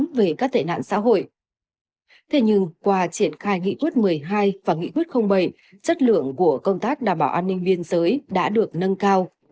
cho các tệ nạn xã hội thế nhưng qua triển khai nghị quyết một mươi hai và nghị quyết bảy chất lượng của công tác đảm bảo an ninh biên giới đã được nâng cao